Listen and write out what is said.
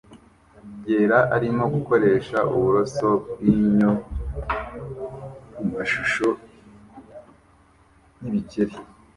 yera arimo gukoresha uburoso bwinyo kumashusho yibikeri